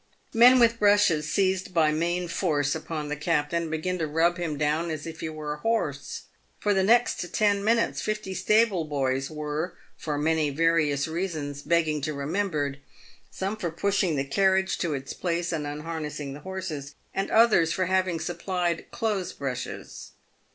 Men with brushes seized by main force upon the captain, and began to rub him down as if he were a horse. For the next ten minutes fifty stable boys were, for many various reasons, begging to be remembered — some for pushing the carriage to its place and unharnessing the horses, and others for having supplied clothes brushes.